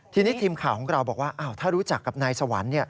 ทีนี้ทีมข่าวของเราบอกว่าถ้ารู้จักกับนายสวรรค์